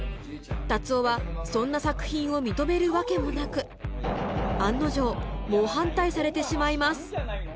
達男はそんな作品を認めるわけもなく案の定猛反対されてしまいます